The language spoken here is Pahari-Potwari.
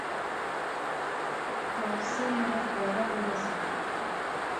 کہھر سے مگر کہھر آلے نہسے